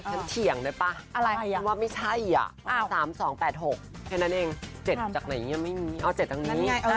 ฉันเถียงได้ป่ะว่าไม่ใช่อ่ะ๓๒๘๖แค่นั้นเองเจ็ดจากไหนยังไม่มีอ้าวเจ็ดจากนี้